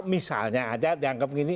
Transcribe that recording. misalnya saja dianggap begini